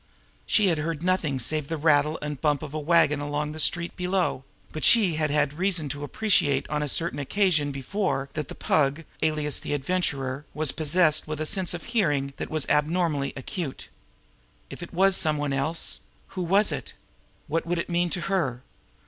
She had heard nothing save the rattle and bump of a wagon along the street below; but she had had reason to appreciate on a certain occasion before that the Pug, alias the Adventurer, was possessed of a sense of hearing that was abnormally acute. If it was some one else who was it? What would it mean to her?